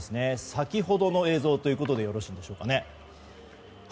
先ほどの映像ということでよろしいんでしょうかね。